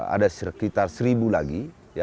ada sekitar seribu lagi